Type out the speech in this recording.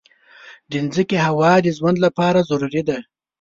د مځکې هوا د ژوند لپاره ضروري ده.